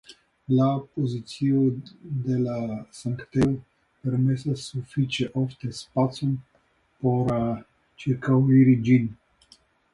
La pozicio de la sanktejo permesas sufiĉe ofte spacon por ĉirkauiri ĝin.